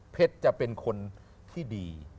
เห็นเป็นคนที่ดี